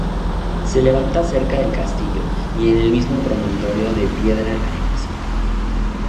Se levanta cerca del castillo y en el mismo promontorio de piedra arenisca.